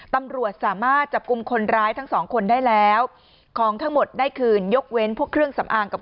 ตำรวจสามารถจับกลุ่มคนร้ายทั้งสองคนได้แล้วของทั้งหมดได้คืนยกเว้นพวกเครื่องสำอางกับ